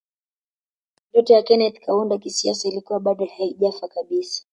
Ndoto ya Kenneth Kaunda kisiasa ilikuwa bado haijafa kabisa